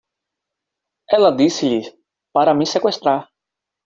Ela disse-lhes para me seqüestrar.